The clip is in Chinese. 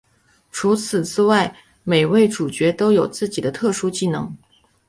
除此之外每位主角都有自己的特殊技能。